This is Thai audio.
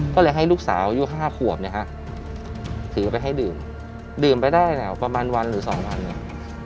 ก็เลยให้ลูกสาวอายุ๕ขวบเนี่ยฮะถือไปให้ดื่มดื่มไปได้เนี่ยประมาณวันหรือ๒วันเนี่ย